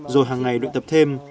rồi hằng ngày đội tập thêm